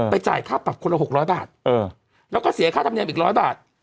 จ่ายค่าปรับคนละ๖๐๐บาทแล้วก็เสียค่าธรรมเนียมอีก๑๐๐บาท